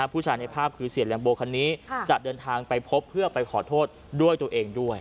ผู้ชายในภาพคือเสียแลมโบคันนี้จะเดินทางไปพบเพื่อไปขอโทษด้วยตัวเองด้วย